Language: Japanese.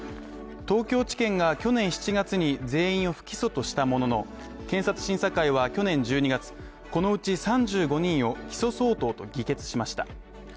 東京地検が去年７月に全員を不起訴としたものの検察審査会は去年１２月、このうち３５人を起訴相当と議決しました。